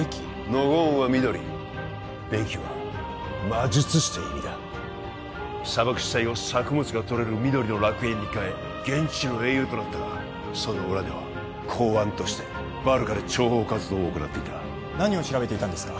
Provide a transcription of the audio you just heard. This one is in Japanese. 「ノゴーン」は緑「ベキ」は魔術師という意味だ砂漠地帯を作物がとれる緑の楽園に変え現地の英雄となったがその裏では公安としてバルカで諜報活動を行っていた何を調べていたんですか？